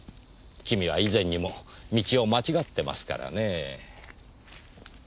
君は以前にも道を間違ってますからねぇ。